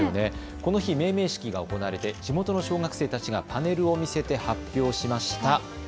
この日、命名式が行われ地元の小学生たちがパネルを見せて発表しました。